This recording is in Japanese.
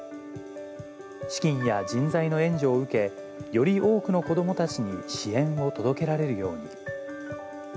資金や人材の援助を受け、より多くの子どもたちに支援を届けられるように。